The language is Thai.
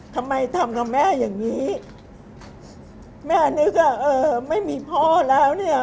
ทำไมทำกับแม่อย่างนี้แม่นึกว่าเออไม่มีพ่อแล้วเนี่ย